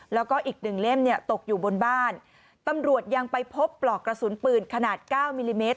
แล้วก็อีกหนึ่งเล่มเนี่ยตกอยู่บนบ้านตำรวจยังไปพบปลอกกระสุนปืนขนาดเก้ามิลลิเมตร